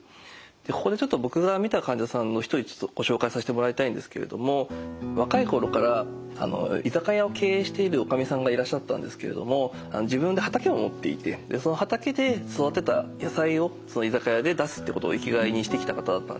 ここでちょっと僕が診た患者さんの一人ご紹介させてもらいたいんですけれども若い頃から居酒屋を経営しているおかみさんがいらっしゃったんですけれども自分で畑を持っていてその畑で育てた野菜をその居酒屋で出すってことを生きがいにしてきた方だったんですね。